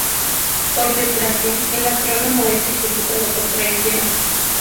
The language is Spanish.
Por desgracia, el astrónomo es ejecutado por traición.